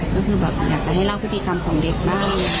ก็คือแบบอยากจะให้เล่าพฤติกรรมของเด็กบ้าง